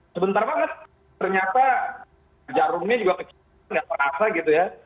sebentar banget ternyata jarumnya juga kecil nggak terasa gitu ya